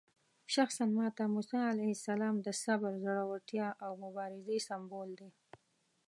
شخصاً ماته موسی علیه السلام د صبر، زړورتیا او مبارزې سمبول دی.